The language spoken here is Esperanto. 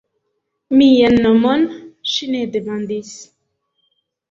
Mian nomon ŝi ne demandis.